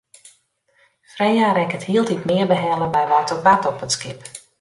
Freya rekket hieltyd mear behelle by wat der bart op it skip.